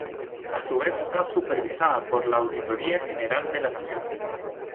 A su vez, estaba supervisada por la Auditoría General de la Nación.